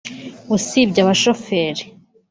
usibye abashoferi